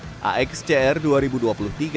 di laos dengan total jarak tempuh dua ribu km